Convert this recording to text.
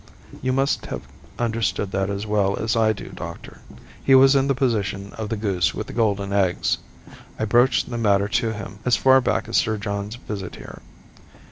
You must have understood that as well as I do, doctor. He was in the position of the goose with the golden eggs. I broached this matter to him as far back as Sir John's visit here.